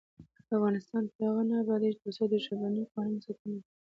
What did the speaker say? افغانستان تر هغو نه ابادیږي، ترڅو د ژبنیو قوانینو ساتنه ونشي.